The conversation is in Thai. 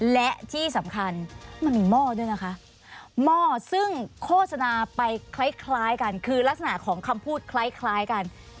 และที่สำคัญมันมีหม้อด้วยนะคะหม้อซึ่งโฆษณาไปคล้ายกันคือลักษณะของคำพูดคล้ายกัน